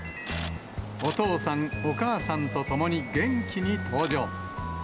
お父さん、お母さんと共に元気に登場。